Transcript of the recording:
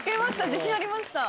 自信ありました。